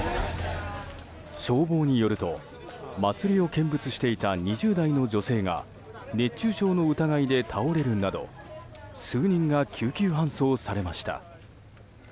消防によると祭りを見物していた２０代の女性が熱中症の疑いで倒れるなど数人が救急搬送されました。